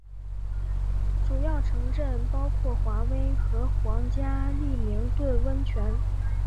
主要城镇包括华威和皇家利明顿温泉。